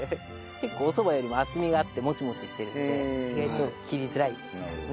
結構おそばよりも厚みがあってもちもちしているので意外と切りづらいですよね。